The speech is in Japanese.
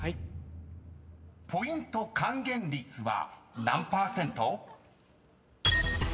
［ポイント還元率は何％？］